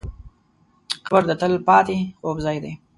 قبر د تل پاتې خوب ځای دی.